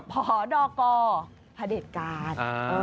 พอดกพระเด็จการ